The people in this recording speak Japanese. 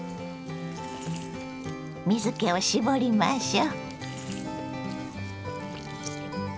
水けを絞りましょう。